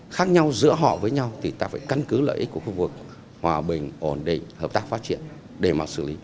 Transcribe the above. khác nhau giữa họ với nhau thì ta phải căn cứ lợi ích của khu vực hòa bình ổn định hợp tác phát triển để mà xử lý